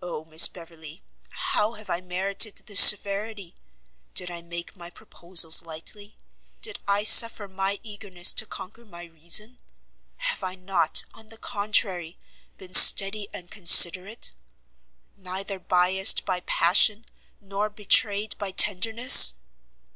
"O Miss Beverley! how have I merited this severity? Did I make my proposals lightly? Did I suffer my eagerness to conquer my reason? Have I not, on the contrary, been steady and considerate? neither biassed by passion nor betrayed by tenderness?"